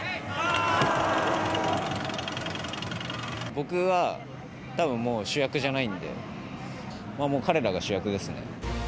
僕はたぶん、もう主役じゃないんで、もう彼らが主役ですね。